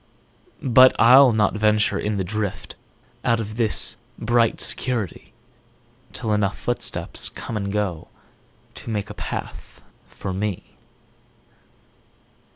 But I'll not venture in the driftOut of this bright security, Till enough footsteps come and goTo make a path for me.